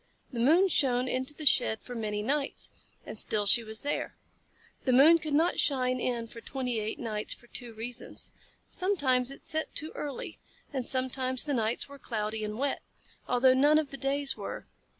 The moon shone into the shed for many nights, and she was still there. The moon could not shine in for twenty eight nights for two reasons. Sometimes it set too early, and sometimes the nights were cloudy and wet, although none of the days were.